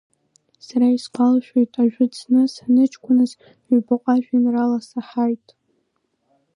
Сара исгәалашәоит ажәытә зны саныҷкәыназ ҩбаҟа жәеинраала саҳаит…